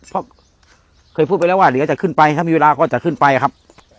เพราะเคยพูดไปแล้วว่าเดี๋ยวจะขึ้นไปถ้ามีเวลาก็จะขึ้นไปครับ